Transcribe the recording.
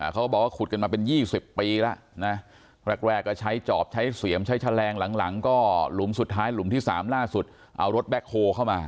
เขาบอกว่าขุดกันมาเป็น๒๐ปีแล้วนะแรกก็ใช้จอบใช้เสียมใช้แฉลงหลังก็หลุมสุดท้ายหลุมที่๓ล่าสุดเอารถแบ็คโฮเข้ามา